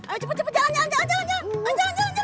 ayo cepet jalan jalan jalan